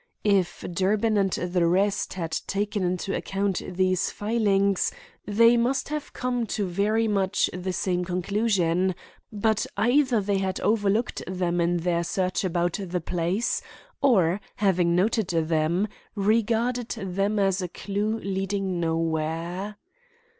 If Durbin and the rest had taken into account these filings, they must have come to very much the same conclusion; but either they had overlooked them in their search about the place, or, having noted them, regarded them as a clue leading nowhere.